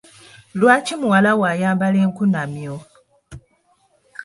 Lwaki muwala wo ayambala enkunamyo?